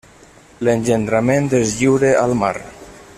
L'engendrament és lliure al mar.